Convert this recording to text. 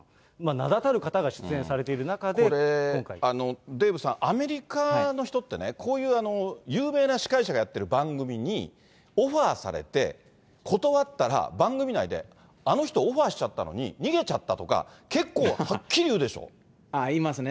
名だたる方が出演されている中で、これ、デーブさん、アメリカの人ってね、こういう有名な司会者がやってる番組に、オファーされて、断ったら、番組内で、あの人オファーしちゃったのに逃げちゃったとか、言いますね。